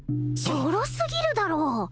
ちょろすぎるだろ